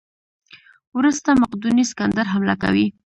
وروسته مقدوني سکندر حمله کوي.